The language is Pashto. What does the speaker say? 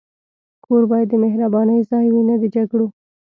کور باید د مهربانۍ ځای وي، نه د جګړو.